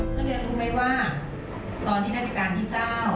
นักเรียนรู้ไหมว่าตอนที่นาฬิการที่๙